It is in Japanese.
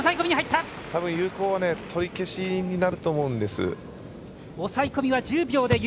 たぶん有効は取り消しになると思うんです。